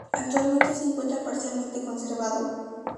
Actualmente se encuentra parcialmente conservado.